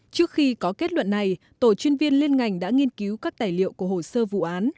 trước khi có kết luận này tổ chuyên viên liên ngành đã nghiên cứu các tài liệu của hồ sơ vụ án